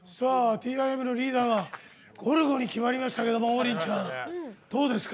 ＴＩＭのリーダーがゴルゴに決まりましたけど王林ちゃん、どうですか。